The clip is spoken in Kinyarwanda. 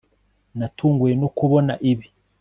Natunguwe no kubona ibi